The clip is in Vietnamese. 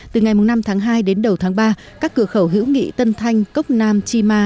từ ngày năm tháng hai đến đầu tháng ba các cửa khẩu hữu nghị tân thanh cốc nam chi ma